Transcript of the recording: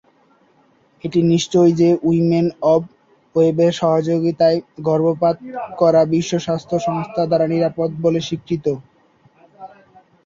এটি নিশ্চিত যে, উইমেন অব ওয়েবের সহায়তায় গর্ভপাত করা বিশ্ব স্বাস্থ্য সংস্থা দ্বারা নিরাপদ বলে স্বীকৃত।